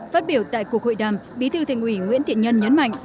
phát biểu tại cuộc hội đàm bí thư thành ủy nguyễn thiện nhân nhấn mạnh